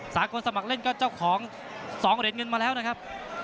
สากลสมัครเล่นก็เจ้าของ๒เหรียญเงินมาแล้วนะครับ